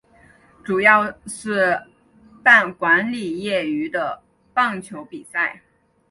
主要是主办管理业余的棒球比赛。